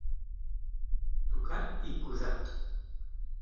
Tocat i posat.